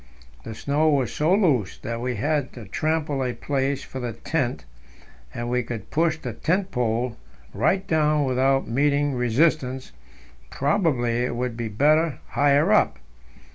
The snow was so loose that we had to trample a place for the tent, and we could push the tent pole right down without meeting resistance; probably it would be better higher up.